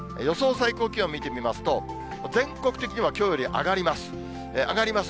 最高気温を見てみますと、全国的にはきょうより上がります。